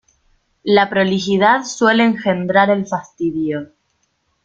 La prolijidad suele engendrar el fastidio.